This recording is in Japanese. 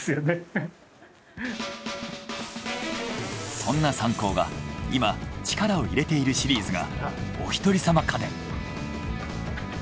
そんなサンコーが今力を入れているシリーズがおひとりさま家電。